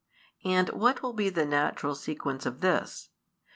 And what will be the natural sequence of this?